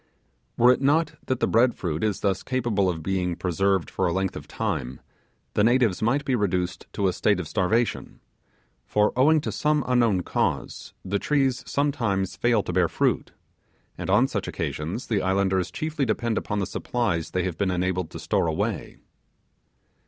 Were it not that the bread fruit is thus capable of being preserved for a length of time, the natives might be reduced to a state of starvation; for owing to some unknown cause the trees sometimes fail to bear fruit; and on such occasions the islanders chiefly depend upon the supplies they have been enabled to store away.